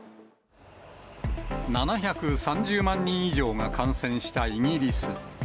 ７３０万人以上が感染したイギリス。